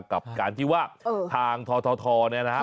กับการที่ว่าทางททเนี่ยนะฮะ